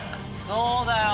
そうだよ！